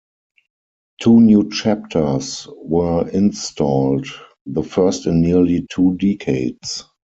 Two new Chapters were installed, the first in nearly two decades.